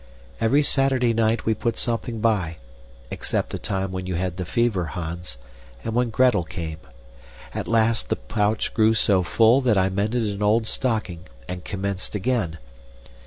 Every Saturday night we put something by, except the time when you had the fever, Hans, and when Gretel came. At last the pouch grew so full that I mended an old stocking and commenced again.